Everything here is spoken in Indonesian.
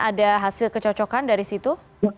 ada hasil kecocokan dari situ